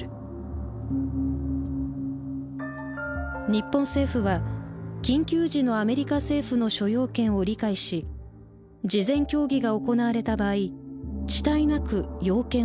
「日本政府は緊急時のアメリカ政府の諸要件を理解し事前協議が行われた場合遅滞なく要件を満たす」。